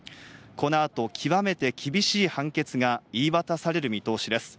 この後、極めて厳しい判決が言い渡される見通しです。